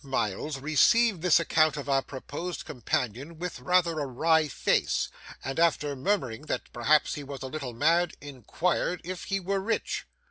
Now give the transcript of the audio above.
Miles received this account of our proposed companion with rather a wry face, and after murmuring that perhaps he was a little mad, inquired if he were rich.